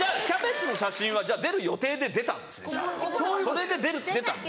それで出たんだ。